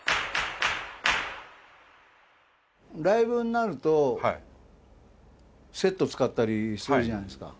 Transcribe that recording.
ライブになるとセット使ったりするじゃないですか。